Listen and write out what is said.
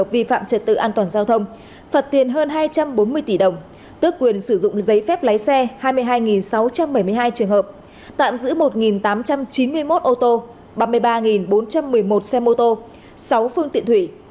phạt tiền hơn hai trăm bốn mươi tỷ đồng tước quyền sử dụng giấy phép lái xe hai mươi hai sáu trăm bảy mươi hai trường hợp tạm giữ một tám trăm chín mươi một ô tô ba mươi ba bốn trăm một mươi một xe mô tô sáu phương tiện thủy